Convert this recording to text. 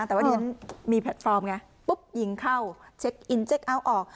แต่ว่าดิฉันมีแพลตฟอร์มไงปุ๊บยิงเข้าเช็คอินเช็คเอาท์ออก